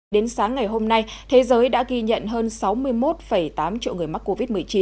đến sáng ngày hôm nay thế giới đã ghi nhận hơn sáu mươi một tám triệu người mắc covid một mươi chín